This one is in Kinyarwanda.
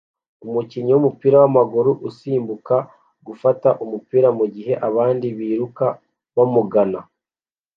Umukinnyi wumupira wamaguru asimbuka gufata umupira mugihe abandi biruka bamugana